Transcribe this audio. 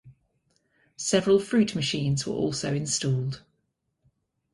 Several fruit machines were also installed.